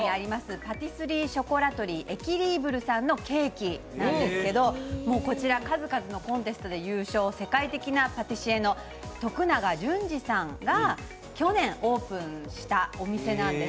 パティスリーショコラトリーｅｑｕｉｌｉｂｒｅさんのケーキなんですけどこちら数々のコンテストで優勝、世界的なパティシエの徳永純司さんが去年オープンしたお店なんです。